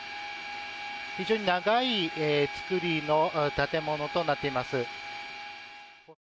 非常に長い造りの建物となっています。